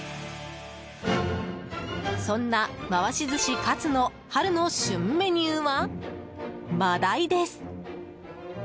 そんな、回し寿司活の春の旬メニューはマダイです。